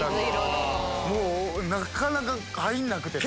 なかなか入んなくて。